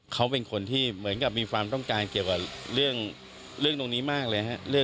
เขาเป็นคนที่เหมือนกับมีความต้องการเกี่ยวกับเรื่องตรงนี้มากเลยครับ